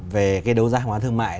về cái đấu giá hóa thương mại